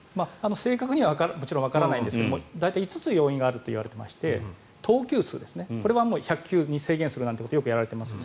正確にはもちろんわからないんですが大体５つ要因があるといわれていまして投球数ですねこれは１００球に制限するなんてことをよくやられています。